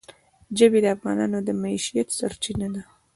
ژبې د افغانانو د معیشت سرچینه ده.